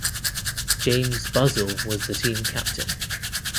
James Buzzell was the team captain.